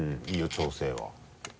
調整は。